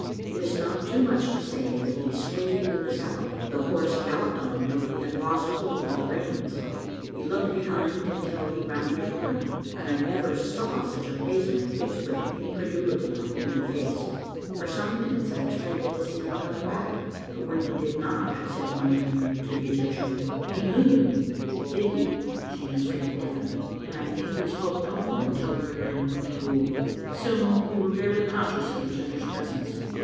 It is not too much to say that he swayed in the saddle. The horse galloped on, though he had lost hold of the reins. He looked behind until he rounded a comer, and I never saw such amazement mixed with incredulity on a human face. For some minutes I expected to see him coming back, but when he did not I said wonder ingly to the Egyptian — Digitized by VjOOQ IC 9U Vbc little Aintoter. "He knew you." " Did he?" she answered indifferently, and I think we spoke no more until we were in Windyghoul. Soon we were barely conscious of each other's presence.